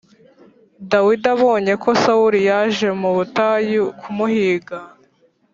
Dawidi abonye ko sawuli yaje mu butayu kumuhiga